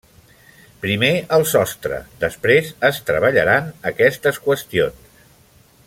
Primer el sostre, després es treballaran aquestes qüestions.